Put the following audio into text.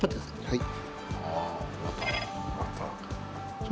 はい。